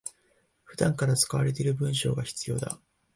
普段から使われている文章が必要だ